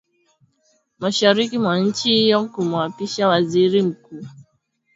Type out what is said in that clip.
mashariki mwa nchi hiyo kumwapisha Waziri Mkuu